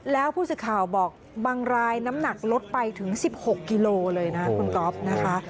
แล้วผู้สื่อข่าวบอกบางรายน้ำหนักลดไปถึง๑๖กิโลเลยนะคุณก๊อฟนะคะ